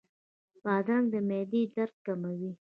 بادرنګ د معدې درد کموي.